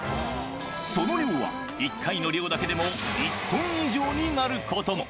その量は、１回の漁だけでも１トン以上になることも。